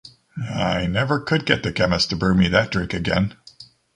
I never could get the chemist to brew me that drink again.